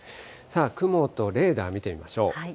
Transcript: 雲とレーダー見てみましょう。